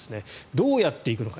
どうやって行くのか。